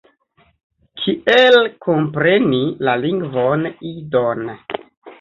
Kiel kompreni la lingvon Idon.